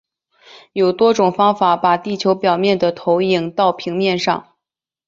有多种方法把地球表面投影到平面上。